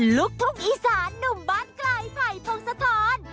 ลูกทุ่งอีสานหนุ่มบ้านไกลไผ่พงศธร